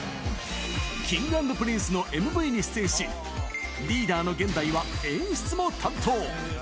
Ｋｉｎｇ＆ＰｒｉｎｃｅのＭＶに出演し、リーダーのゲンダイは、演出も担当。